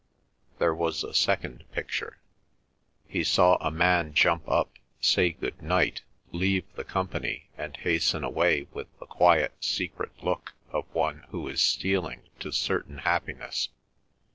There was a second picture. He saw a man jump up, say good night, leave the company and hasten away with the quiet secret look of one who is stealing to certain happiness.